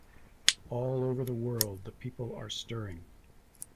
All over the world the people are stirring.